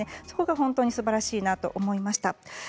そこが本当にすばらしいなと思いました。